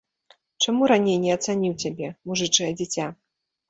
Чаму раней не ацаніў цябе, мужычае дзіця?